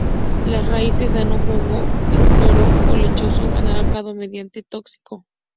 Las raíces dan un jugo incoloro o lechoso anaranjado, medianamente tóxico.